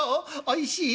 おいしい？』」。